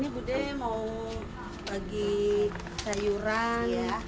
ini budaya mau bagi sayuran ya